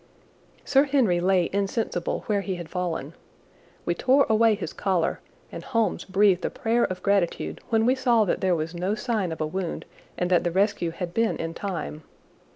Sir Henry lay insensible where he had fallen. We tore away his collar, and Holmes breathed a prayer of gratitude when we saw that there was no sign of a wound and that the rescue had been in time.